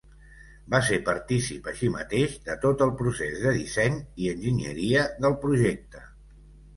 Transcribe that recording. Va ser partícip així mateix de tot el procés de disseny i enginyeria del projecte.